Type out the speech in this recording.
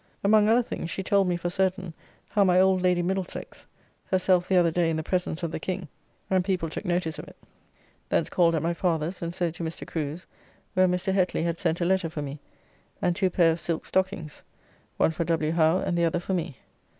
Among other things she told me for certain how my old Lady Middlesex herself the other day in the presence of the King, and people took notice of it. Thence called at my father's, and so to Mr. Crew's, where Mr. Hetley had sent a letter for me, and two pair of silk stockings, one for W. Howe, and the other for me.